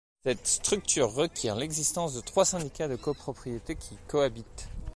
Cette structure requiert l'existence de trois syndicats de copropriétés qui cohabitent.